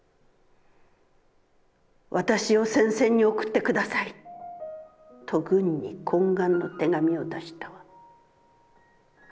『私を戦線に送ってください』と軍に懇願の手紙を出したわ。